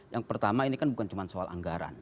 yang pertama ini kan bukan cuma soal anggaran